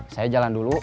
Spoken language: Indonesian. saya jalan dulu